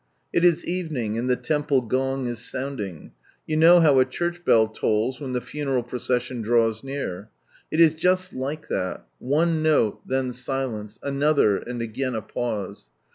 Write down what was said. It is evening, and the temple gong is sounding ; you know how a church bell tolls when the funeral procession draws near. It is just like that, one note, then silence, another, and again a pause.